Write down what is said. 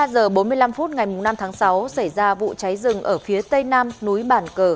một mươi giờ bốn mươi năm phút ngày năm tháng sáu xảy ra vụ cháy rừng ở phía tây nam núi bản cờ